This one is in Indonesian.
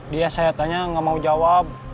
dia saya tanya nggak mau jawab